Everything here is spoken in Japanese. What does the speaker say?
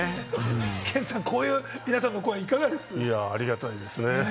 健さん、こういう皆さんの声、ありがたいですね。